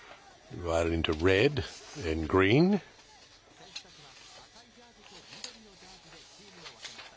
選手たちは、赤いジャージと緑のジャージでチームを分けました。